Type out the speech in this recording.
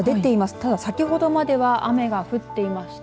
ただ、先ほどまでは雨が降っていました。